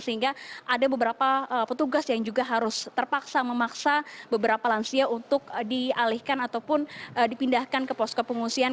sehingga ada beberapa petugas yang juga harus terpaksa memaksa beberapa lansia untuk dialihkan ataupun dipindahkan ke posko pengungsian